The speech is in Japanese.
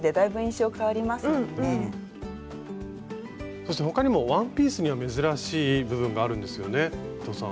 そして他にもワンピースには珍しい部分があるんですよね伊藤さん。